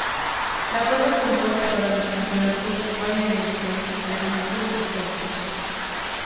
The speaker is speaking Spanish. La prueba es puntuable para los campeonatos de España y Asturias de vehículos históricos.